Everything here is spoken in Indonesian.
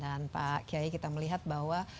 dan pak kyai kita melihat bahwa